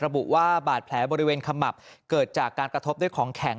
ระบุว่าบาดแผลบริเวณขมับเกิดจากการกระทบด้วยของแข็ง